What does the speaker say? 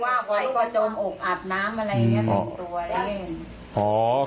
คือเต้นว่าไหลกว่าโจมออกอาบน้ำอะไรอย่างนี้๑ตัวเลย